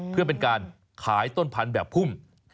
เพื่อเป็นการขายต้นพันธุ์แบบพุ่ม